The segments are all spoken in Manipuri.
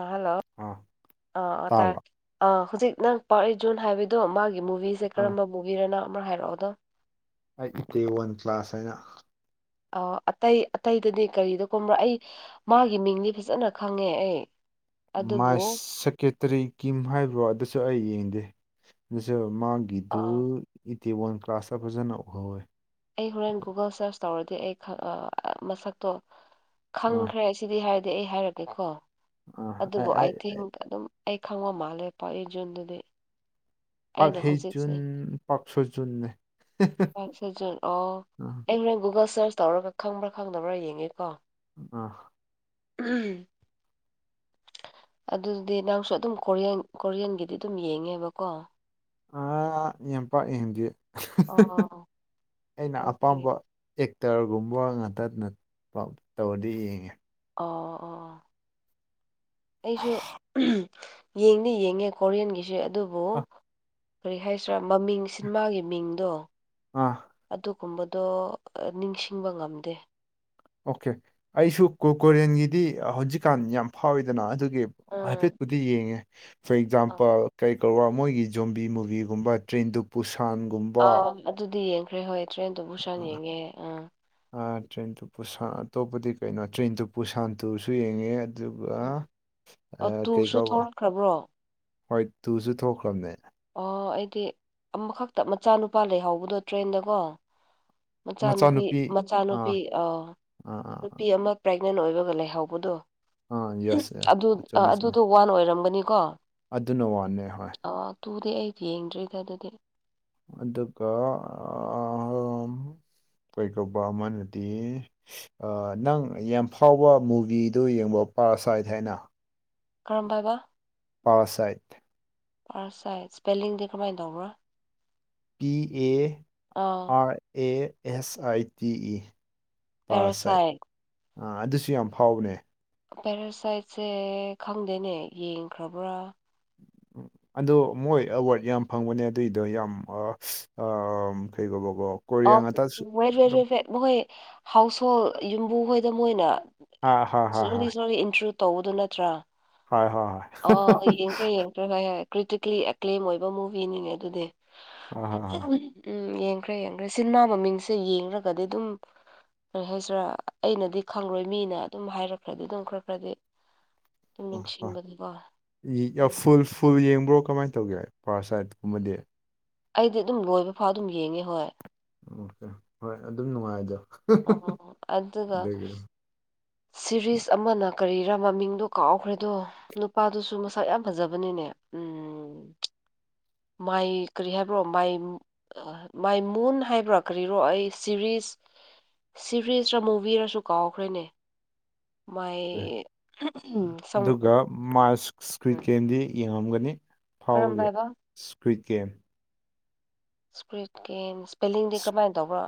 ꯑ ꯍꯜꯂꯣ ꯑꯥ ꯑꯥ ꯑꫭ ꯇꯥꯔꯕ ꯇꯥꯔꯦ ꯑ ꯍꯨꯖꯤꯛ ꯅꯪ [unintelligible] ꯖꫭꯟ ꯍꯥꯏꯕꯗꯣ ꯃꯥꯒꯤ ꯃꯨꯚꯤꯁꯦ ꯑꯥ ꯀꯔꯝꯕ ꯃꯨꯚꯤꯔꯅꯣ ꯑꯃꯨꯔꯛ ꯍꯥꯏꯔꯛ ꯑꯣꯗꯣ ꯍꯥꯏꯗꯤ ꯗꯦ ꯋꯥꯟ ꯀ꯭ꯂꯥꯁ ꯍꯥꯏꯅ ꯑꫭ ꯑꯇꯩ ꯑꯇꯩꯗꯗꯤ ꯀꯔꯤꯗ ꯀꯨꯝꯕ꯭ꯔ ꯑꯩ ꯃꯥꯒꯤ ꯃꯤꯡꯗꯤ ꯐꯖꯅ ꯈꯪꯉꯦ ꯑꯩ ꯑꯗꯨꯕꯨ ꯃꯥꯏꯁ ꯁꯦꯀꯦꯇꯔꯤ ꯀꯤꯝ ꯍꯥꯏꯕ꯭ꯔꫭ ꯑꯗꯨꯁꯨ ꯑꯩ ꯌꯦꯡꯗꯦ ꯑꯗꯨꯁꯨ ꯃꯥꯒꯤ ꯑꯗꯨ ꯑꯥ ꯏꯇꯤ ꯋꯥꯟ ꯀ꯭ꯂꯥꯁꯇ ꯐꯖꯅ ꯎꯍꯧꯋꯦ ꯑꯩ ꯍꯣꯔꯦꯟ ꯒꯨꯒꯜ ꯁꯔꯁ ꯇꯧꯔꯗꯤ ꯑꯩ ꯈ ꯃꯁꯛꯇꯣ ꯑꯥ ꯈꯪꯈ꯭ꯔꯦ ꯁꯤꯗꯤ ꯍꯥꯏꯔꯗꯤ ꯑꯩ ꯍꯥꯏꯔꯛꯀꯦꯀꯣ ꯑꯥ ꯑꯩ ꯑꯗꯨꯕꯨ ꯑꯩ ꯑꯥꯏ ꯊꯤꯡ ꯑꯗꯨꯝ ꯑꯩ ꯈꯪꯕ ꯃꯥꯜꯂꯦ [unintelligible] ꯖꯨꯟꯗꯨꯗꯤ ꯄꯥꯛ ꯑꯩꯅ ꯍꯦ ꯍꯧꯖꯤꯛꯁꯦ ꯖꯨꯟ ꯄꯥꯛ ꯁꯣ ꯖꯨꯟ ꯅꯦ ꯄꯥꯛ ꯁꯣ ꯖꯨꯟ ꯑꯣ ꯑꯩ ꯍꯨꯔꯦꯟ ꯒꯨꯒꯜ ꯁꯔꯁ ꯇꯧꯔꯒ ꯈꯪꯕ꯭ꯔ ꯈꯪꯗꯕ꯭ꯔ ꯌꯦꯡꯒꯦꯀꯣ ꯑꯥ [unintelligible] ꯑꯗꯨꯗꯤ ꯅꯪꯁꯨ ꯑꯗꯨꯝ ꯀꯣꯔꯤꯌꯟ ꯀꯣꯔꯤꯌꯟꯒꯤꯗꯤ ꯑꯗꯨꯝ ꯌꯦꯡꯉꯦꯕꯀꯣ ꯑꯥ ꯌꯥꯝ ꯄꯥꯛ ꯌꯦꯡꯗꯦ [unintelligible] ꯑꯣ ꯑꯩꯅ ꯑꯣꯀꯦ ꯑꯄꯥꯝꯕ ꯑꯦꯛꯇꯔꯒꯨꯝꯕ ꯉꯥꯛꯇ ꯅꯠ ꯄꯥꯛ ꯇꯧꯔꯗꯤ ꯌꯦꯡꯉꯦ ꯑꯣ ꯑꯣ ꯑꫭ ꯑꯩꯁꯨ [unintelligible] ꯌꯦꯡꯗꯤ ꯌꯦꯡꯉꯦ ꯀꯣꯔꯤꯌꯟꯒꯤꯁꯦ ꯑꯗꯨꯕꯨ ꯑꯥ ꯀꯔꯤ ꯍꯥꯏꯁꯤꯔ ꯃꯃꯤꯡ [unintelligible] ꯃꯥꯒꯤ ꯃꯤꯡꯗꯣ ꯑ ꯑꯗꯨꯒꯨꯝꯕꯗꯣ ꯅꯤꯡꯁꯤꯡꯕ ꯉꯝꯗꯦ ꯑꯣꯀꯦ ꯑꯩꯁꯨ ꯀꯣꯀꯨꯔꯦꯟꯒꯤꯗꯤ ꯍꯧꯖꯤꯛꯀꯥꯟ ꯌꯥꯝ ꯐꯥꯎꯋꯤꯗꯅ ꯑꯗꯨ ꯒꯤ ꯎꯝ ꯍꯥꯏꯐꯦꯠꯄꯨꯗꯤ ꯌꯦꯡꯉꯦ ꯐꯣꯔ ꯑ ꯑꯦꯛꯖꯥꯝꯄꯜ ꯀꯩ ꯀꯧꯕ꯭ꯔ ꯃꯣꯏꯒꯤ ꯖꯣꯝꯕꯤ ꯃꯨꯚꯤꯒꯨꯝꯕ ꯇ꯭ꯔꯦꯟ ꯇꯨ ꯕꯨꯁꯥꯟꯒꯨꯝꯕ ꯑꯥ ꯑꯗꯨꯗꯤ ꯌꯦꯡꯈ꯭ꯔꯦ ꯍꯣꯏ ꯇ꯭ꯔꯦꯟ ꯇꯨ ꯕꯨꯁꯥꯟ ꯌꯦꯡꯉꯦ ꯑ ꯑ‌ ꯇ꯭ꯔꯦꯟ ꯇꯨ ꯕꯨꯁꯥꯟ ꯑꯇꯣꯞꯄꯗꯤ ꯀꯩꯅꯣ ꯇ꯭ꯔꯦꯟ ꯇꯨ ꯕꯨꯁꯥꯟ ꯇꯨꯁꯨ ꯌꯦꯡꯉꯦ ꯑꯗꯨꯒ ꯎꯝ ꯑ ꯑꯣ ꯀꯩ ꯇꯨꯁꯨ ꯀꯧꯕ ꯊꯣꯛꯂꯛꯈ꯭ꯔꯕ꯭ꯔꯣ ꯍꯣꯏ ꯇꯨꯁꯨ ꯊꯣꯛꯈ꯭ꯔꯝꯅꯦ ꯑꯣ ꯑꯩꯗꯤ ꯑꯃꯈꯛꯇ ꯃꯆꯥꯅꯨꯄꯥ ꯂꯩꯍꯧꯕꯗꯣ ꯇ꯭ꯔꯦꯟꯗꯀꯣ ꯃꯆꯥꯅꯨꯄꯤ ꯑꯥ ꯃꯆꯥꯅꯨꯄꯤ ꯑ ꯑꯥ ꯑꯥ ꯅꯨꯄꯤ ꯑꯃ ꯄ꯭ꯔꯦꯛꯅꯦꯟ ꯑꯣꯏꯔꯒ ꯂꯩꯍꯧꯕꯗꯣ ꯑꯥ ꯌꯦꯁ ꯑꯗꯨ ꯌꯦꯁ ꯆꯨꯝꯃꯦ ꯆꯨꯝꯃꯦ ꯑꯗꯨꯗꯣ ꯋꯥꯟ ꯑꯣꯏꯔꯝꯒꯅꯤꯀꯣ ꯑꯗꯨꯅ ꯋꯥꯟꯅꯦ ꯍꯣꯏ ꯑꫭ ꯇꯨꯗꯤ ꯑꯩ ꯌꯦꯡꯗ꯭ꯔꯤꯗ ꯑꯗꯨꯗꯤ ꯑꯗꯨꯒ ꯑꯥꯝ ꯀꯩ‌ ꯀꯧꯕ ꯑꯃꯅꯗꯤ ꯑ ꯅꯪ ꯌꯥꯝ ꯐꯥꯎꯕ ꯃꯨꯚꯤꯗꯨ ꯌꯦꯡꯕ꯭ꯔꫭ ꯄꯥꯔ ꯁꯥꯏꯠ ꯍꯥꯏꯅ ꯀꯔꯝꯕꯕ ꯄꯥꯔ ꯁꯥꯏꯠ ꯄꯥꯔ ꯁꯥꯏꯁ ꯏꯁꯄꯦꯂꯤꯡꯗꯤ ꯀꯝꯃꯥꯏ ꯇꯧꯕ꯭ꯔ ꯄꯤ ꯑꯦ ꯑꯥ R A S I T E parasite parasite ꯑꯥ ꯑꯗꯨꯁꯨ ꯌꯥꯝ ꯐꯥꯎꯕꯅꯦ ꯄꯦꯔꯥꯁꯥꯏꯠꯁꯦ ꯈꯪꯗꯦꯅꯦ ꯌꯦꯡꯈ꯭ꯔꯕ꯭ꯔ [inaudible] ꯑꯗꯣ ꯃꯣꯏ ꯑꯋꯥꯔꯗ ꯌꯥꯝ ꯐꯪꯕꯅꯦ ꯑꯗꯨꯏꯗꯣ ꯌꯥꯝ ꯑꯥ ꯑꯥ ꯐꯩꯕꯀꯣ ꯑꯧ ꯋꯦꯠ [unintelligible] ꯃꯈ‌ꯣꯏ ꯍꯥꯎꯁꯍꯣꯜ ꯌꯨꯝꯕꯨ ꯍꯣꯏꯗ ꯃꯣꯏꯅ ꯍꯥ ꯍꯥ ꯍꯥ ꯍꯥ [unintelligible] ꯇꯧꯕꯗꯨ ꯅꯠꯇ꯭ꯔꯥ ꯍꯣꯏ ꯍꯣꯏ ꯍꯣꯏ [unintelligible] ꯀ꯭ꯔꯤꯇꯤꯀ꯭ꯂꯤ ꯑꯦꯀ꯭ꯂꯦꯝ ꯑꯣꯏꯕ ꯃꯨꯚꯤꯅꯤꯅꯦ ꯑꯗꯨꯗꯤ ꯍꯣꯏ ꯍꯣꯏ ꯍꯣꯏ ꯎꯝ ꯌꯦꯡꯈ꯭ꯔꯦ ꯌꯦꯡꯈ꯭ꯔꯦ ꯁꯤꯟꯃꯥ ꯃꯃꯤꯡꯁꯦ ꯌꯦꯡꯔꯒꯗꯤ ꯗꯨꯝ ꯀꯔꯤ ꯍꯥꯏꯁꯤꯔꯥ ꯑꯩꯅꯗꯤ ꯈꯪꯔꯣꯏ ꯃꯤꯅ ꯑꯗꯨꯝ ꯍꯥꯏꯔꯛꯈ꯭ꯔꯗꯤ ꯑꯗꯨꯝ ꯈꯔ ꯈꯔꯗꯤ ꯑꯗꯨꯝ ꯅꯤꯡꯁꯤꯡꯕꯅꯤꯀꯣ ꯐꯨꯜ ꯐꯨꯜ ꯌꯦꯡꯕ꯭ꯔꯣ ꯀꯃꯥꯏ ꯇꯩꯒꯦ ꯄ꯭ꯔꯥꯁꯥꯏꯠꯀꯨꯝꯕꯗꯤ ꯑꯩꯗꯤ ꯗꯨꯝ ꯂꯣꯏꯕ ꯐꯥꯎ ꯑꯗꯨꯝ ꯌꯦꯡꯉꯦ ꯍꯣꯏ [unintelligible] ꯍꯣꯏ ꯑꯗꯨꯝ ꯅꯨꯡꯉꯥꯏꯗ ꯑꯣ ꯑꯣ ꯑꯣ ꯑꯗꯨꯒ ꯑꯗꯨꯒꯤꯗꯣ ꯁꯤꯔꯤꯁ ꯑꯃꯅ ꯀꯔꯤꯔ ꯃꯃꯤꯡꯗ‌ꯣ ꯀꯥꯎꯈ꯭ꯔꯦꯗꯣ ꯅꯨꯄꯥꯗꯨꯁꯨ ꯃꯁꯛ ꯌꯥꯝ ꯐꯖꯕꯅꯤꯅꯦ ꯎꯝ ꯃꯥꯏ ꯀꯔꯤ ꯍꯥꯏꯕ꯭ꯔꯣ ꯃꯥꯏ ꯃꯥꯏ ꯃꯨꯟ ꯍꯥꯏꯕ꯭ꯔꯥ ꯀꯔꯤꯔꯣ ꯑꯩ ꯁꯤꯔꯤꯁ ꯁꯤꯔꯤꯁꯔꯥ ꯃꯨꯚꯤꯔꯁꯨ ꯀꯥꯎꯈ꯭ꯔꯦꯅꯦ ꯃꯥꯏ ꯁꯪ ꯃꯥ [unintelligible] ꯒꯦꯝꯗꯤ ꯌꯦꯡꯉꯝꯒꯅꯤ ꯀꯔꯝꯕ ꯐꯥꯎꯕꯒꯤ ꯍꯥꯏꯕ ꯁ꯭ꯀꯨꯏꯠꯒꯦꯝ ꯁꯀ꯭ꯔꯨꯠ ꯒꯦꯝꯁ ꯏꯁꯄꯦꯂꯤꯡꯗꯤ ꯀ꯭ꯔꯃꯥꯏ ꯇꯧꯕ꯭ꯔꯣ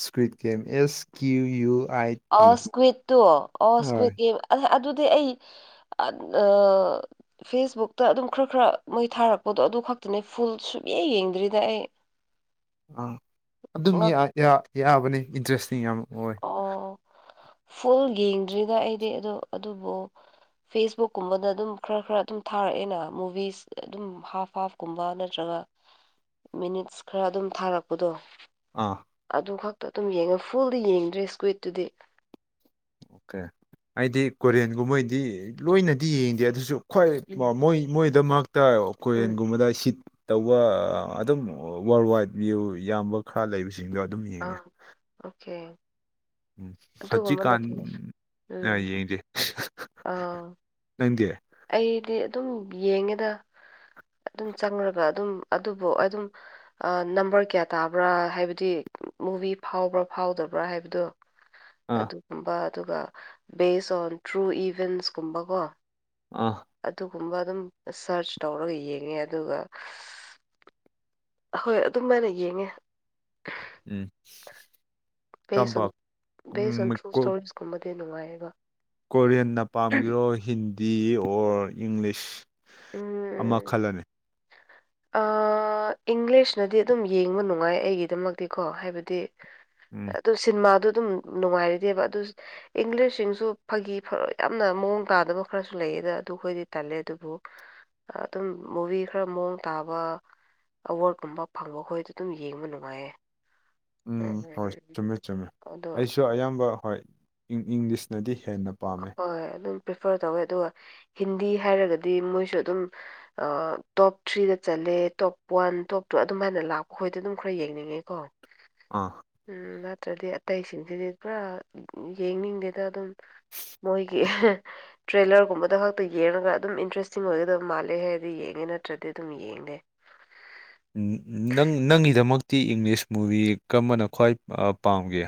squid game S Q U I T ꯑꯣ ꯁꯀ꯭ꯋꯤꯠꯇꯣ ꯑꯣ ꯍꯣꯏ ꯁꯀ꯭ꯋꯤꯠ ꯒꯦꯝ ꯑ ꯑꯗꯨꯗꯤ ꯑꯩ ꯑ ꯐꯦꯁꯕꯨꯛꯇ ꯑꯗꯨꯝ ꯈꯔ ꯈꯔ ꯃꯣꯏ ꯊꯥꯔꯛꯄꯗꯣ ꯑꯗꯨ ꯈꯛꯇꯅꯦ ꯐꯨꯜ ꯁꯨꯛꯌꯦ ꯌꯦꯡꯗ꯭ꯔꯤꯗ ꯑꯩ ꯑꯥ ꯑꯗꯨꯝ ꯉꯛ ꯌꯥ ꯌꯥ ꯌꯥꯕꯅꯤ ꯏꯟꯇꯔꯦꯁꯇꯤꯡ ꯌꯥꯝ ꯑꯣꯏ ꯑꯣ ꯐꯨꯜ ꯌꯦꯡꯗ꯭ꯔꯤꯗ ꯑꯩꯗꯤ ꯑꯗꯣ ꯑꯗꯨꯕꯨ ꯐꯦꯁꯕꯨꯛ ꯀꯨꯝꯕꯗ ꯑꯗꯨꯝ ꯈꯔ ꯈꯔ ꯑꯗꯨꯝ ꯊꯥꯔꯛꯑꯦꯅ ꯃꯨꯚꯤꯁ ꯑꯗꯨꯝ ꯍꯥꯐ ꯍꯥꯐ ꯀꯨꯝꯕ ꯅꯠꯇ꯭ꯔꯒ ꯃꯤꯅꯤꯠꯁ ꯈꯔ ꯑꯗꯨꯝ ꯊꯥꯔꯛꯄꯗꯣ ꯑꯥ ꯑꯗꯨ ꯈꯛꯇ ꯑꯗꯨꯝ ꯌꯦꯡꯉ ꯐꯨꯜꯗꯤ ꯌꯦꯡꯗ꯭ꯔꯤ ꯁꯀ꯭ꯋꯤꯠꯇꯨꯗꯤ ꯀꯩ ꯑꯩꯗꯤ ꯀꯣꯔꯤꯌꯟꯒꯨꯝꯕꯩꯗꯤ ꯂꯣꯏꯅꯗꯤ ꯌꯦꯡꯗꯦ ꯑꯗꯨꯁꯨ ꯈ꯭ꯋꯥꯏ ꯎꯝ ꯃꯣꯏ ꯃꯣꯏꯗꯣ ꯃꯔꯛꯇ ꯎꯝ ꯀꯣꯏꯔꯤꯌꯟꯒꯨꯝꯕꯗ ꯁꯤꯠ ꯇꯧꯕ ꯑꯗꯨꯝ ꯋꯥꯔꯜ ꯋꯥꯏꯗ ꯚ꯭ꯌꯨ ꯌꯥꯝꯕ ꯈꯔ ꯂꯩꯕꯁꯤ [unintelligible] ꯑꯧ ꯑꯣꯀꯦ ꯎꯝ ꯑꯗꯨꯒꯨꯝꯕꯅ ꯍꯖꯤꯛꯀꯥꯟ ꯐꯩ. ꯑ ꯌꯦꯡꯗꯦ ꯑꯧ ꯅꯪꯗꯤ ꯑꯩꯗꯤ ꯑꯗꯨꯝ ꯌꯦꯡꯉꯦꯗ ꯑꯗꯨꯝ ꯆꯪꯔꯒ ꯑꯗꯨꯝ ꯑꯗꯨꯕꯨ ꯑꯗꯨꯝ ꯑ ꯅꯝꯕꯔ ꯀꯌꯥ ꯇꯥꯕ꯭ꯔꯥ ꯍꯥꯏꯕꯗꯤ ꯃꯨꯚꯤ ꯐꯥꯎꯕ꯭ꯔꯥ ꯐꯥꯎꯗꯕ꯭ꯔꯥ ꯍꯥꯏꯕꯗꯣ ꯑꯥ ꯑꯗꯨꯒꯨꯝꯕ ꯑꯗꯨꯒ ꯕꯦꯁ ꯑꯣꯟ ꯇ꯭ꯔꯨ ꯏꯚ‌ꯦꯟꯁꯀꯨꯝꯕꯀꯣ ꯑ ꯑꯗꯨꯒꯨꯝꯕ ꯑꯗꯨꯝ ꯁꯔꯆ ꯇꯧꯔꯒ ꯌꯦꯡꯉꯦ ꯑꯗꯨꯒ ꯑꯍꯣꯏ ꯑꯗꯨꯃꯥꯏꯅ ꯌꯦꯡꯉꯦ ꯎꯝ ꯕꯦꯖ ꯑꯣꯟ ꯀꯔꯝꯕ ꯕꯦꯖ ꯑꯣꯟ ꯊ꯭ꯔꯨ ꯁ꯭ꯇꯣꯔꯤꯁꯀꯨꯝꯕꯗꯤ ꯅꯨꯡꯉꯥꯏꯌꯦꯕ ꯀꯣꯔꯤꯌꯟꯅ ꯄꯥꯝꯒꯦꯔꯣꯏ ꯍꯤꯟꯗꯤ ꯑꯣꯔ ꯏꯪꯂꯤꯁ ꯑꯃ ꯈꯜꯂꯣꯅꯦ ꯑꯥ ꯑꯥ ꯏꯪꯂꯤꯁꯅꯗꯤ ꯑꯗꯨꯝ ꯌꯦꯡꯕ ꯅꯨꯡꯉꯥꯏ ꯑꯩꯒꯤꯗꯃꯛꯇꯤꯀꯣ ꯍꯥꯏꯕꯗꯤ ꯎꯝ ꯑꯗꯨ ꯁꯤꯟꯃꯥꯗꯣ ꯑꯗꯨꯝ ꯅꯨꯡꯉꯥꯏꯔꯤꯗꯦꯕ ꯑꯗꯨ ꯏꯪꯂꯤꯁꯁꯤꯡꯁꯨ ꯐꯥꯒꯤ ꯐꯔ ꯌꯥꯝꯅ ꯃꯑꯣꯡ ꯇꯥꯗꯕ ꯈꯔꯁꯨ ꯂꯩꯌꯦꯗ ꯑꯗꯨꯈꯣꯏꯗꯤ ꯇꯜꯂꯦ ꯑꯗꯨꯕꯨ ꯑ ꯑꯗꯨꯝ ꯃꯨꯕꯤ ꯈꯔ ꯃꯑꯣꯡ ꯇꯥꯕ ꯑꯋꯥꯔꯗꯀꯨꯝꯕ ꯐꯪꯕ ꯈꯣꯏꯗꯨ ꯑꯗꯨꯝ ꯌꯦꯡꯕ ꯅꯨꯡꯉꯥꯏꯌꯦ ꯎꯝ ꯍꯣꯏ ꯆꯨꯝꯃꯦ ꯆꯨꯝꯃꯦ ꯑꯗꯣ ꯑꯩꯁꯨ ꯑꯌꯥꯝꯕ ꯍꯣꯏ ꯏꯪꯂꯤꯁꯅꯗꯤ ꯍꯦꯟꯅ ꯄꯥꯝꯃꯦ ꯍꯣꯏ ꯑꯗꯨꯝ ꯄ꯭ꯔꯤꯐꯔ ꯇꯧꯋꯦ ꯑꯗꯨꯒ ꯍꯤꯟꯗꯤ ꯍꯥꯏꯔꯒꯗꯤ ꯃꯣꯏꯁꯨ ꯑꯗꯨꯝ ꯑ ꯇꯣꯞ ꯊ꯭ꯔꯤꯗ ꯆꯟꯂꯦ ꯇꯣꯞ ꯋꯥꯟ ꯇꯣꯞ ꯇꯨ ꯑꯗꯨꯝ ꯍꯥꯏꯅ ꯂꯥꯛꯄꯈꯣꯏꯗ ꯑꯗꯨꯝ ꯈꯔ ꯌꯦꯡꯅꯤꯡꯉꯦꯀꯣ ꯑꯥ ꯎꯝ ꯅꯠꯇ꯭ꯔꯗꯤ ꯑꯇꯩꯁꯤꯡꯁꯤꯗꯤ ꯄꯨꯔꯥ ꯌꯦꯡꯅꯤꯡꯗꯦꯗ ꯑꯗꯨꯝ ꯃꯣꯏꯒꯤ ꯇ꯭ꯔꯦꯂꯔꯒꯨꯝꯕꯗ ꯈꯛꯇ ꯌꯦꯡꯉꯒ ꯑꯗꯨꯝ ꯏꯟꯇꯔꯦꯁꯇꯤꯡ ꯑꯣꯏꯒꯗꯕ ꯃꯥꯜꯂꯦ ꯍꯥꯏꯔꯗꯤ ꯌꯦꯡꯉꯦ ꯅꯠꯇ꯭ꯔꯗꯤ ꯑꯗꯨꯝ ꯌꯦꯡꯗꯦ ꯅꯪ ꯅꯪꯒꯤꯗꯃꯛꯇꯤ ꯏꯪꯂꯤꯁ ꯃꯨꯚꯤ ꯀꯝꯕꯅ ꯈ꯭ꯋꯥꯏ ꯑ ꯄꯥꯝꯒꯦ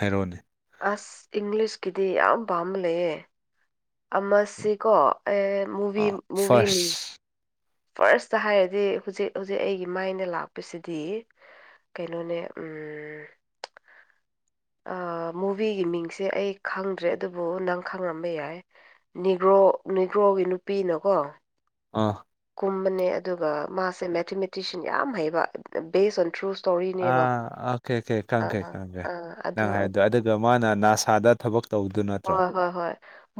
ꯍꯥꯏꯔꯣꯅꯦ ꯑꯁ ꯏꯪꯂꯤꯁꯀꯤꯗꯤ ꯌꯥꯝ ꯄꯥꯝꯕ ꯂꯩꯌꯦ ꯑꯃꯁꯤꯀꯣ ꯑꯦ ꯃꯨꯚꯤ ꯑꯥ ꯃꯨꯚꯤ ꯃꯤ ꯐꯥꯔꯁ ꯐꯥꯔꯁꯇ ꯍꯥꯏꯔꯗꯤ ꯍꯧꯖꯤꯛ ꯍꯧꯖꯤꯛ ꯑꯩꯒꯤ ꯃꯥꯏꯟꯗ ꯂꯥꯛꯄꯁꯤꯗꯤ ꯀꯩꯅꯣꯅꯦ ꯎꯝ ꯑꯥ ꯃꯨꯚꯤꯒꯤ ꯃꯤꯡꯁꯦ ꯑꯩ ꯈꯪꯗ꯭ꯔꯦ ꯑꯗꯨꯕꯨ ꯅꯪ ꯈꯪꯉꯝꯕ ꯌꯥꯏ ꯅꯤꯒ꯭ꯔꯣ ꯅꯤꯒ꯭ꯔꯣꯒꯤ ꯅꯨꯄꯤꯅꯀꯣ ꯑꯥ ꯀꯨꯝꯕꯅꯦ ꯑꯗꯨꯒ ꯃꯥꯁꯦ ꯃꯦꯊꯃꯦꯊꯤꯛꯁꯌꯟ ꯌꯥꯝ ꯍꯩꯕ ꯕꯦꯁ ꯑꯣꯟ ꯇ꯭ꯔꯨꯁ ꯑꯥ ꯑꯣꯀꯦ ꯑꯣꯀꯦ ꯈꯪꯒꯦ ꯈꯪꯒꯦ ꯑꯥ ꯑꯗꯨ ꯅꯪ ꯍꯥꯏꯗꯣ ꯑꯗꯨꯒ ꯃꯥꯅ ꯅꯥꯁꯥꯗ ꯊꯕꯛ ꯇꯧꯗꯨ ꯅꯠꯇ꯭ꯔꯣ ꯍꯣꯏ ꯍꯣꯏ ꯍꯣꯏ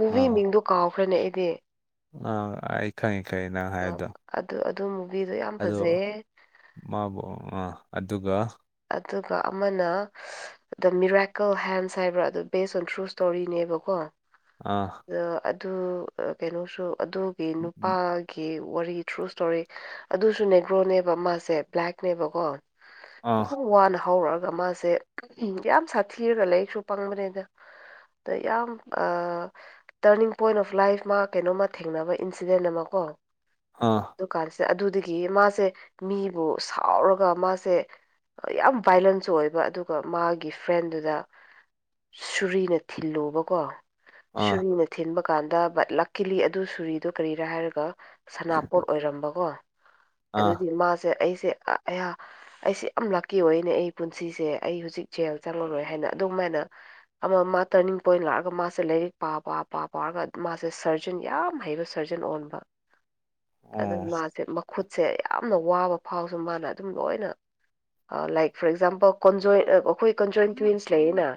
ꯃꯨꯚꯤ ꯃꯤꯡꯗꯣ ꯀꯥꯎꯈ꯭ꯔꯅꯦ ꯑꯩꯗꯤ ꯑ ꯑꯩ ꯈꯪꯉꯤ ꯈꯪꯉꯤ ꯅꯪ ꯎꯝ ꯍꯥꯏꯗꯣ ꯑꯗꯨ ꯑꯗꯨ ꯃꯨꯚꯤꯗꯣ ꯌꯥꯝ ꯐꯖꯩꯌꯦ ꯃꯥꯕꯨ ꯑ ꯑꯗꯨꯒ ꯑꯗꯨꯒ ꯑꯃꯅ ꯗ ꯃꯤꯔꯥꯏꯀꯜ ꯍꯦꯟꯁ ꯍꯥꯏꯕ꯭ꯔ ꯑꯗꯨꯗꯣ ꯕꯦꯁ ꯑꯣꯟ ꯇ꯭ꯔꯨ ꯏꯁꯇꯣꯔꯤꯅꯦꯕꯀꯣ ꯑꯥ ꯑꯗ ꯑꯗꯨ ꯀꯩꯅꯣꯁꯨ ꯑꯗꯨꯒꯤ ꯅꯨꯄꯥ ꯀꯤ ꯋꯥꯔꯤ ꯇ꯭ꯔꯨ ꯁ꯭ꯇꯣꯔꯤ ꯑꯗꯨꯁꯨ ꯅꯦꯒ꯭ꯔꯣꯅꯦꯕ ꯃꯥꯁꯦ ꯕ꯭ꯂꯦꯛꯅꯦꯕꯀꯣ ꯑꯥ ꯌꯥꯝ ꯋꯥꯅ ꯍꯧꯔꯛꯑꯒ ꯃꯥꯁꯦ ꯌꯥꯝ ꯁꯥꯊꯤꯔꯒ ꯂꯥꯏꯔꯤꯛꯁꯨ ꯄꯪꯕꯅꯤꯗ ꯑꯗ ꯌꯥꯝ ꯑꯥ ꯇꯔꯅꯤꯡ ꯄꯣꯏꯟ ꯑꯣꯐ ꯂꯥꯏꯐ ꯃꯥ ꯀꯩꯅꯣꯝꯃ ꯊꯦꯡꯅꯕ ꯏꯟꯁꯤꯗꯦꯟ ꯑꯃ ꯀꯣ ꯑꯥ ꯗꯨꯀꯥꯟꯁꯤꯗ ꯑꯗꯨꯗꯒꯤ ꯃꯥꯁꯦ ꯃꯤꯕꯨ ꯁꯥꯎꯔꯒ ꯃꯥꯁꯦ ꯌꯥꯝ ꯚꯥꯏꯂꯦꯟꯁ ꯑꯣꯏꯕ ꯑꯗꯨꯒ ꯃꯥꯒꯤ ꯐ꯭ꯔꯦꯟꯗꯨꯗ ꯁꯨꯔꯤꯅ ꯊꯤꯜꯂꯨꯕꯀꯣ ꯑꯥ ꯁꯨꯔꯤꯅ ꯊꯤꯟꯕ ꯀꯥꯟꯗ ꯕꯠ ꯂꯛꯀꯤꯂꯤ ꯑꯗꯨ ꯁꯣꯔꯤꯗꯨ ꯀꯔꯤꯔꯥ ꯍꯥꯏꯔꯒ ꯁꯅꯥꯄꯣꯠ ꯑꯣꯏꯔꯝꯕꯀꯣ ꯑꯥ ꯑꯗꯨꯗꯤ ꯃꯥꯁꯦ ꯑꯩꯁꯦ ꯑꯥ ꯑꯩꯌꯥ ꯑꯩꯁꯦ ꯌꯥꯝ ꯂꯛꯀꯤ ꯑꯣꯏꯅꯦ ꯑꯩ ꯄꯨꯟꯁꯤꯁꯦ ꯑꯩ ꯍꯧꯖꯤꯛ ꯖꯦꯜ ꯆꯪꯉꯔꯣꯏ ꯍꯥꯏꯅ ꯑꯗꯨꯝꯃꯥꯏꯅ ꯑꯃ ꯃꯥ ꯇꯔꯅꯤꯡ ꯄꯣꯏꯟ ꯂꯥꯛꯑꯒ ꯃꯥꯁꯦ ꯂꯥꯏꯔꯤꯛ ꯄꯥ ꯄ ꯄꯥ ꯄꯥꯔꯒ ꯃꯥꯁꯦ ꯁꯔ ꯖꯟ ꯌꯥꯝ ꯍꯩꯕ ꯁ꯭ꯔꯖꯟ ꯑꯣꯟꯕ꯫ [inaudible] ꯑꯗꯨ ꯑꯣ ꯃꯥꯁꯦ ꯃꯈꯨꯠꯁꯦ ꯌꯥꯝꯅ ꯋꯥꯕ ꯐꯥꯎꯁꯨ ꯃꯥꯅ ꯑꯗꯨꯝ ꯂꯣꯏꯅ ꯑ ꯂꯥꯏꯛ ꯐꯣꯔ ꯑꯦꯛꯖꯥꯝꯄꯜ ꯀꯣꯟꯖꯣꯏꯟ ꯑ-ꯑꯩꯈꯣꯏ ꯀꯣꯟꯖꯣꯏꯟ ꯇ꯭ꯋꯤꯟꯁ ꯂꯩꯌꯦꯅ꯫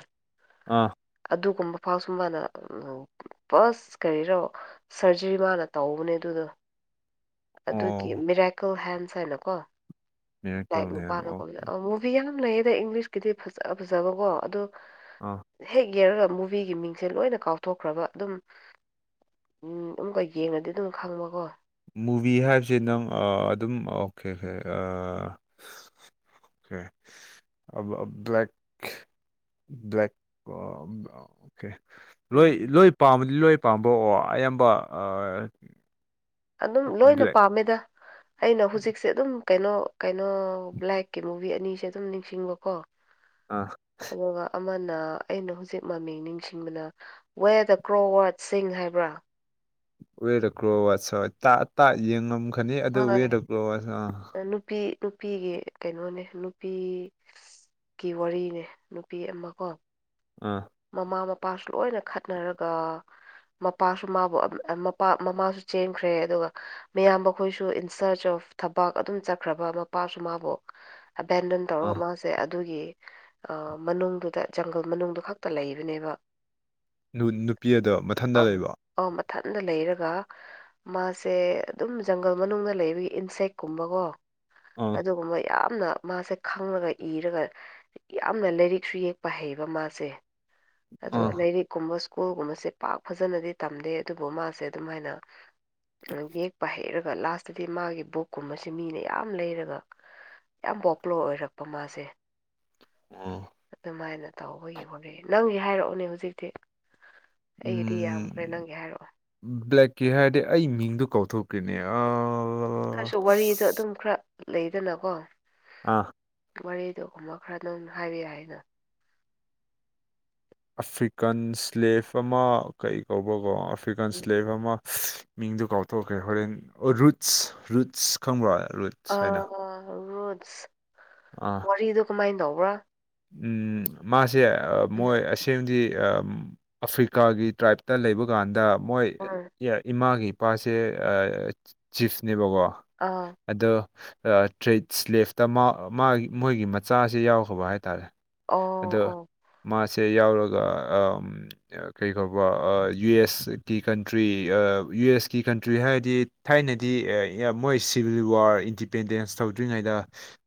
ꯑꯥ꯫ ꯑꯗꯨꯒꯨꯝꯕ ꯐꯥꯎ ꯁꯨ ꯃꯥꯅ ꯐꯁ ꯀꯔꯤꯔꯣ ꯁꯔꯖꯔꯤ ꯃꯥꯅ ꯇꯧꯕꯅꯦ ꯑꯗꯨꯗꯣ꯫ ꯑꯗꯨꯒꯤ ꯑꯣ ꯃꯤꯔꯦꯀꯜ ꯍꯦꯟꯁ ꯍꯥꯏꯅꯀꯣ꯫ ꯃꯤꯔꯦꯀꯜ ꯍꯦꯟ [unintelligible] ꯃꯨꯚꯤ ꯌꯥꯝ ꯂꯩꯌꯦꯗ ꯏꯪꯂꯤꯁꯀꯤꯗꯤ ꯐꯖ ꯐꯖꯕꯀꯣ ꯑꯗꯣ ꯑꯥ꯫ ꯍꯦꯛ ꯌꯦꯡꯔꯒ ꯃꯨꯚꯤꯒꯤ ꯃꯤꯡꯁꯦ ꯂꯣꯏꯅ ꯀꯥꯎꯊꯣꯛꯈ꯭ꯔꯕ ꯑꯗꯨꯝ ꯎꯝ ꯑꯃꯨꯛꯀ ꯌꯦꯡꯑꯗꯤ ꯑꯗꯨꯝ ꯈꯪꯕꯀꯣ꯫ ꯃꯨꯚꯤ ꯍꯥꯏꯕꯁꯦ ꯅꯪ ꯑ ꯑꯗꯨꯝ ꯑꯣꯈꯦ ꯈꯦ ꯑꯥ ꯈꯦ꯫ ꯑ ꯕ꯭ꯂꯦꯛ ꯕ꯭ꯂꯦꯛ ꯑꯣꯀꯦ꯫ ꯂꯣꯏ ꯎꯝ ꯂꯣꯏ ꯄꯥꯝꯕꯗꯤ ꯂꯣꯏ ꯄꯥꯝꯕ ꯑꯣ ꯑꯌꯥꯝꯕ ꯑ ꯑꯗꯨꯝ ꯂꯣꯏꯅ ꯄꯥꯝꯃꯦꯗ ꯑꯩꯅ ꯍꯨꯖꯤꯛꯁꯦ ꯑꯗꯨꯝ ꯀꯩꯅꯣ ꯀꯩꯅꯣ ꯕ꯭ꯂꯦꯛꯀꯤ ꯃꯨꯚꯤ ꯑꯅꯤꯁꯦ ꯑꯗꯨꯝ ꯅꯤꯡꯁꯤꯡꯕꯀꯣ꯫ ꯑ꯫ ꯑꯗꯨꯒ ꯑꯃꯅ ꯑꯩꯅ ꯍꯨꯖꯤꯛ ꯃꯃꯤꯡ ꯅꯤꯡꯁꯤꯡꯕꯅ ꯋꯦ ꯗ ꯀ꯭ꯔꯣ ꯋꯥꯠꯁꯤꯡ ꯍꯥꯏꯕ꯭ꯔꯥ꯫ ꯋꯦ ꯗ ꯀ꯭ꯔꯣ ꯋꯥꯠꯁ ꯍꯣꯏ ꯇꯥ ꯇꯥ ꯌꯦꯡꯉꯝꯈꯅꯤ ꯑꯗꯨ ꯋꯦ ꯗ ꯀ꯭ꯔꯣ ꯋꯥꯠꯁ ꯑꯥ꯫ ꯑ ꯅꯨꯄꯤ ꯅꯨꯄꯤꯒꯤ ꯀꯩꯅꯣꯅꯦ ꯅꯨꯄꯤ ꯒꯤ ꯋꯥꯔꯤꯅꯦ ꯅꯨꯄꯤ ꯑꯃꯀꯣ꯫ ꯑꯥ꯫ ꯃꯃꯥ ꯃꯄꯥꯁꯨ ꯂꯣꯏꯅ ꯈꯠꯅꯔꯒ ꯃꯄꯥꯁꯨ ꯃꯥꯕꯨ ꯑꯝ ꯑ ꯃꯄꯥ ꯃꯃꯥꯁꯨ ꯆꯦꯟꯈ꯭ꯔꯦ ꯑꯗꯨꯒ ꯃꯌꯥꯝꯕ ꯈꯣꯏꯁꯨ ꯏꯟ ꯁ꯭ꯔꯆ ꯑꯣꯐ ꯊꯕꯛ ꯑꯗꯨꯝ ꯆꯠꯈ꯭ꯔꯕ ꯃꯄꯥꯁꯨ ꯃꯥꯕꯨ ꯑꯦꯕꯦꯟꯗꯟ ꯇꯧꯔꯒ ꯑꯥ ꯃꯥꯁꯦ ꯑꯗꯨꯒꯤ ꯑ ꯃꯅꯨꯡꯗꯨꯗ ꯖꯪꯒꯜ ꯃꯅꯨꯡꯗꯨ ꯈꯛꯇ ꯂꯩꯕꯅꯦꯕ꯫ ꯅꯨ ꯅꯨꯄꯤ ꯑꯗꯣ ꯃꯊꯟꯗ ꯑꯝ ꯂꯩꯕ꯫ ꯑꯧ ꯃꯊꯟꯗ ꯂꯩꯔꯒ ꯃꯥꯁꯦ ꯑꯗꯨꯝ ꯖꯪꯒꯜ ꯃꯅꯨꯡꯗ ꯂꯩꯕꯒꯤ ꯏꯟꯁꯦꯛꯀꯨꯝꯕꯀꯣ꯫ ꯑꯥ ꯑꯗꯨꯒꯨꯝꯕ ꯌꯥꯝꯅ ꯃꯥꯁꯦ ꯈꯪꯂꯒ ꯏꯔꯒ ꯌꯥꯝꯅ ꯂꯥꯏꯔꯤꯛꯁꯨ ꯌꯦꯛꯄ ꯍꯩꯕ ꯃꯥꯁꯦ꯫ ꯑꯗꯣ ꯑꯥ ꯂꯥꯏꯔꯤꯛꯀꯨꯝꯕ ꯁ꯭ꯀꯨꯜꯒꯨꯝꯕꯁꯦ ꯄꯥꯛ ꯐꯖꯅꯗꯤ ꯇꯝꯗꯦ ꯑꯗꯨꯕꯨ ꯃꯥꯁꯦ ꯑꯗꯨꯝꯥꯏꯅ ꯑ ꯌꯦꯛꯄ ꯍꯩꯔꯒ ꯂꯥꯁꯇꯗꯤ ꯃꯥꯒꯤ ꯕꯨꯛꯀꯨꯝꯕꯁꯦ ꯃꯤꯅ ꯌꯥꯝ ꯂꯩꯔꯒ ꯌꯥꯝ ꯄꯣꯄꯨꯂꯔ ꯑꯣꯏꯔꯛꯄ ꯃꯥꯁꯦ꯫ ꯑꯥ ꯑꯗꯨꯃꯥꯏꯅ ꯇꯧꯕꯒꯤ ꯋꯥꯔꯤ ꯅꯪꯒꯤ ꯍꯥꯏꯔꯛꯑꯣꯅꯦ ꯍꯨꯖꯤꯛꯇꯤ꯫ ꯑꯩꯒꯤꯗꯤ ꯌꯥꯝꯈ꯭ꯔꯦ ꯎꯝ ꯅꯪꯒꯤ ꯍꯥꯏꯔꯛꯑꯣ꯫ ꯕ꯭ꯂꯦꯛꯀꯤ ꯍꯥꯏꯔꯗꯤ ꯑꯩ ꯃꯤꯡꯗꯨ ꯀꯥꯎꯊꯣꯛꯈ꯭ꯔꯦꯅꯦ ꯑꯥ꯫ ꯇꯥꯔꯁꯨ ꯋꯥꯔꯤꯗꯣ ꯑꯗꯨꯝ ꯈꯔ ꯂꯩꯗꯅꯀꯣ꯫ ꯑꯥ꯫ ꯋꯥꯔꯤꯗꯨꯒꯨꯝꯕ ꯈꯔ ꯅꯪꯅ ꯍꯥꯏꯕ ꯌꯥꯏꯅ꯫ ꯑꯐ꯭ꯔꯤꯀꯥꯟ ꯏꯁ꯭ꯂꯦꯞ ꯑꯃ ꯀꯩ ꯀꯧꯕꯀꯣ ꯑꯐ꯭ꯔꯤꯀꯥꯟ ꯎꯝ ꯏꯁꯂꯦꯞ ꯑꯃ ꯃꯤꯡꯗꯨ ꯀꯥꯎꯊꯣꯛꯈ꯭ꯔꯦ ꯍꯣꯔꯦꯟ ꯑꯣ ꯔꯨꯠꯁ ꯔꯨꯠꯁ ꯈꯪꯕ꯭ꯔꯣ ꯔꯨꯠ ꯑꯥ ꯔꯨꯠꯁ ꯑꯥ ꯋꯥꯔꯤꯗꯣ ꯀꯃꯥꯏꯟ ꯇꯧꯕ꯭ꯔꯥ ꯎꯝ ꯃꯥꯁꯦ ꯑꯥ ꯎꯝ ꯃꯣꯏ ꯑꯁꯦꯡꯕꯗꯤ ꯑꯝ ꯑꯐ꯭ꯔꯤꯀꯥꯒꯤ ꯇ꯭ꯔꯥꯏꯞꯇ ꯂꯩꯕ ꯀꯥꯟꯗ ꯃꯣꯏ ꯎꯝ ꯌ ꯏꯃꯥꯒꯤ ꯅꯨꯄꯥꯁꯦ ꯑꯥ ꯆꯤ ꯆꯤꯞꯁꯅꯦꯕꯀꯣ ꯑꯥ ꯑꯗꯣ ꯑꯥ ꯊ꯭ꯔꯤꯠꯁ ꯏꯁꯂꯦꯞꯇ ꯃꯥ ꯃꯥꯒꯤ ꯃꯣꯏꯒꯤ ꯃꯆꯥꯁꯤ ꯌꯥꯎꯈ꯭ꯔꯕ ꯍꯥꯏꯇꯥꯔꯦ ꯑꯣ ꯑꯗꯣ ꯑꯣ ꯃꯥꯁꯦ ꯌꯥꯎꯔꯒ ꯑꯥꯝ ꯑꯥ ꯀꯩ ꯀꯧꯕ ꯑꯏ ꯌꯨ ꯑꯦꯁ ꯀꯤ ꯀꯟꯇ꯭ꯔꯤ ꯑꯥ ꯌꯨ ꯑꯦꯁ ꯀꯤ ꯀꯟꯇ꯭ꯔꯤ ꯍꯥꯏꯗꯤ ꯊꯥꯏꯅꯗꯤ ꯑ ꯃꯣꯏ ꯁꯤꯚꯤꯜ ꯋꯥꯔ ꯏꯟꯗꯤꯄꯦꯟꯗꯦꯟꯁ ꯇꯧꯗ꯭ꯔꯤꯉꯩꯗ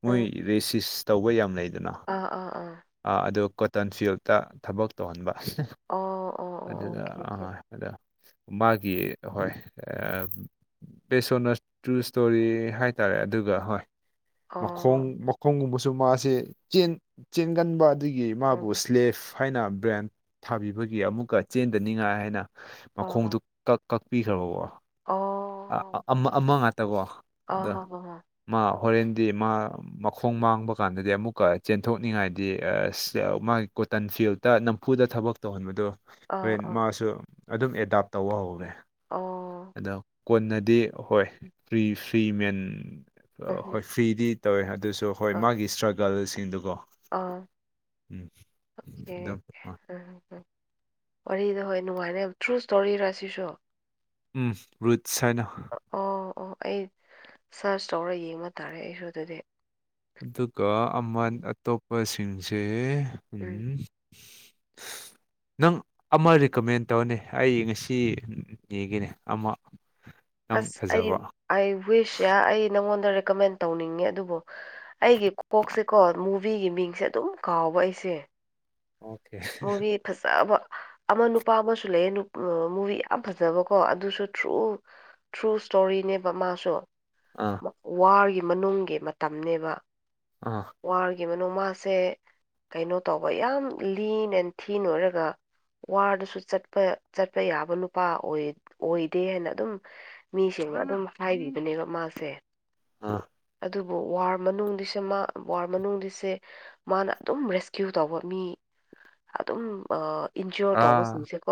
ꯃꯣꯏ ꯎꯝ ꯔꯦꯁꯤꯁ ꯇꯧꯕ ꯌꯥꯝ ꯂꯩꯗꯅ ꯑꯥ ꯑꯥ ꯑꯥ ꯑꯥ ꯑꯗꯨ ꯀꯣꯇꯟ ꯐꯤꯜꯇ ꯊꯕꯛ ꯇꯧꯍꯟꯕ ꯑꯣ ꯑꯣ ꯑꯣ ꯑꯗꯨꯗ ꯑꯣꯀꯦ ꯑꯣꯀꯦ ꯑꯥ ꯑꯗ ꯃꯥꯒꯤ ꯍꯣꯏ ꯑꯥꯝ ꯕꯦꯁ ꯑꯣꯟ ꯅ ꯇ꯭ꯔꯨ ꯏꯁꯇꯣꯔꯤ ꯍꯥꯏꯇꯥꯔꯦ ꯑꯗꯨꯒ ꯍꯣꯏ ꯃꯈꯣꯡ ꯑꯣ ꯃꯈꯣꯡꯒꯨꯝꯕꯁꯨ ꯃꯥꯁꯦ ꯆꯦꯟ ꯆꯦꯟꯒꯟꯕ ꯑꯗꯨꯒꯤ ꯃꯥꯕꯨ ꯎꯝ ꯁ꯭ꯂꯦꯐ ꯍꯥꯏꯅ ꯕ꯭ꯔꯦꯟ ꯊꯥꯕꯤꯕꯒꯤ ꯑꯃꯨꯛꯀ ꯆꯦꯟꯗꯅꯤꯡꯉꯥꯏ ꯍꯥꯏꯅ ꯃꯈꯣꯡꯗꯨ ꯑꯣ ꯀꯛ ꯀꯛꯄꯤꯈ꯭ꯔꯕꯕꯣ ꯑꯥ ꯑ ꯑꯣ ꯑꯃ ꯑꯃ ꯉꯥꯛꯇꯒ‌ꯣ ꯑꯥ ꯍꯥ ꯑꯥ ꯍ ꯃꯥ ꯍꯣꯔꯦꯟꯗꯤ ꯃꯥ ꯃꯈꯣꯡ ꯃꯥꯡꯕ ꯀꯥꯟꯗꯗꯤ ꯑꯃꯨꯛꯀ ꯆꯦꯟꯊꯣꯛ ꯥꯅꯤꯡꯉꯥꯏꯗꯤ ꯑꯁ ꯑ ꯃꯥꯒꯤ ꯀꯣꯇꯟ ꯐꯤꯜꯗ ꯅꯝꯐꯨꯗ ꯊꯕꯛ ꯇꯧꯍꯟꯕꯗꯨ ꯑꯥ ꯍꯣꯔꯦꯟ ꯑꯥ ꯃꯥꯁꯨ ꯑꯗꯨꯝ ꯑꯦꯗꯥꯞ ꯇꯧꯕ ꯍꯧꯔꯦ ꯑꯣ ꯑꯗꯨꯝ ꯀꯣꯟꯅꯗꯤ ꯍꯣꯏ ꯐ꯭ꯔꯤ ꯐ꯭ꯔꯤ ꯃꯦꯟ ꯑꯥ ꯍꯣꯏ ꯎꯝ ꯐ꯭ꯔꯤꯗꯤ ꯇꯧꯋꯦ ꯑꯗꯨꯁ ꯑꯗꯣ ꯍꯣꯏ ꯃꯥꯒꯤ ꯏꯁꯇ꯭ꯔꯒꯜꯁꯤꯡꯗꯨꯒ‌ꯣ ꯑꯥ ꯃꯥꯁꯦ ꯑꯗꯨꯝ ꯑꯥ ꯎꯝ ꯋꯥꯔꯤꯗꯣ ꯍꯣꯏ ꯅꯨꯡꯉꯥꯏꯅ‌ꯦ ꯇ꯭ꯔꯨ ꯁ꯭ꯇꯣꯔꯤꯔꯥ ꯁꯤꯁꯨ ꯎꯝ ꯔꯨꯠꯁ ꯍꯥꯏꯅ ꯑꯣ ꯑꯣ ꯑꯩ ꯁꯔꯁ ꯇꯧꯔ ꯌꯦꯡꯕ ꯇꯥꯔꯦ ꯑꯩꯁꯨ ꯑꯗꯨꯗꯤ ꯑꯗꯨꯒ ꯑꯃꯟ ꯎꯝ ꯑꯇꯣꯞꯄꯁꯤꯡꯁꯦ ꯎꯝ [inaudible] ꯅꯪ ꯑꯃ ꯔꯤꯀꯃꯦꯟ ꯇꯧꯅꯦ ꯑꯩ ꯉꯁꯤ ꯌꯦꯡꯒꯦꯅꯦ ꯑꯃ [unintelligible] ꯑꯁ ꯑꯩ ꯐꯖꯕ ꯑꯥꯏ ꯋꯤꯁ ꯌꯥ ꯑꯩ ꯅꯪꯉꯣꯟꯗ ꯔꯤꯀꯃꯦꯟ ꯇꯧꯅꯤꯡꯉꯦ ꯑꯗꯨꯕꯨ ꯑꯩꯒꯤ ꯀꯣꯛꯁꯦꯀꯣ ꯃꯨꯚꯤꯒꯤ ꯃꯤꯡꯁꯦ ꯑꯗꯨꯝ ꯀꯥꯎꯕ ꯑꯩꯁꯦ ꯑꯣꯀꯦ ꯃꯨꯚꯤ ꯐꯖꯕ ꯑꯃ ꯅꯨꯄꯥ ꯑꯃꯁꯨ ꯂꯩꯌꯦ ꯅꯨꯞ ꯃꯨꯚꯤ ꯌꯥꯝ ꯐꯖꯕꯀꯣ ꯑꯗꯨꯁꯨ ꯊ꯭ꯔꯨ ꯊ꯭ꯔꯨ ꯏꯁꯇꯣꯔꯤꯅꯦꯕ ꯃꯥꯁꯨ ꯑꯥ ꯋꯥꯔꯒꯤ ꯃꯅꯨꯡꯒꯤ ꯃꯇꯝꯅꯦꯕ ꯑꯥ ꯋꯥꯔꯒꯤ ꯃꯅꯨꯡ ꯃꯥꯁꯦ ꯀꯩꯅꯣ ꯇꯧꯕ ꯌꯥꯝ ꯂꯤꯟ ꯑꯦꯟ ꯊꯤꯟ ꯑꯣꯏꯔꯒ ꯋꯥꯔꯗꯁꯨ ꯆꯠꯄ ꯆꯠꯄ ꯌꯥꯕ ꯅꯨꯄꯥ ꯑꯣꯏ ꯑꯣꯏꯗꯦ ꯍꯥꯏꯅ ꯑꯗꯨꯝ ꯃꯤꯁꯤꯡꯅ ꯑꯗꯨꯝ ꯍꯥꯏꯕꯤꯕꯅꯦꯕ ꯃꯥꯁꯦ ꯑꯥ ꯑꯗꯨꯕꯨ ꯋꯥꯔ ꯃꯅꯨꯡꯗꯨꯁꯨ ꯃꯥ ꯋꯥꯔ ꯃꯅꯨꯡꯗꯤꯁꯦ ꯃꯥꯅ ꯑꯗꯨꯝ ꯔꯦꯁꯀ꯭ꯌꯨ ꯇꯧꯕ ꯃꯤ ꯑꯗꯨꯝ ꯑ ꯏꯟꯖꯣꯔ ꯑꯥ ꯇꯧꯕꯁꯤꯡꯁꯦꯀꯣ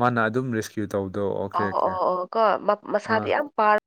ꯃꯥꯅ ꯑꯗꯨꯝ ꯔꯦꯁꯀ꯭ꯌꯨ ꯇꯧꯕꯗꯣ ꯑꯣꯀꯦ ꯑꯣ ꯑꯣꯀꯦ ꯑꯣ ꯑꯣ ꯀꯣ ꯃꯁꯥꯗꯤ ꯑꯥ ꯌꯥꯝ ꯄꯥ